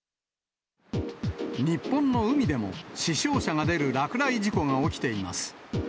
日本の海でも、死傷者が出る落雷事故が起きています。